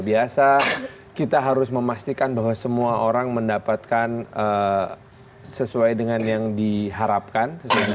biasa kita harus memastikan bahwa semua orang mendapatkan sesuai dengan yang diharapkan